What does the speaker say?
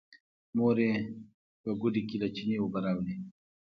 مور يې په ګوډي کې له چينې اوبه راوړې.